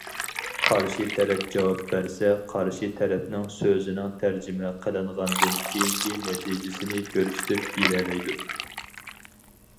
قارشى تەرەپ جاۋاب بەرسە، قارشى تەرەپنىڭ سۆزىنىڭ تەرجىمە قىلىنغاندىن كېيىنكى نەتىجىسىنى كۆرسىتىپ بېرەلەيدۇ.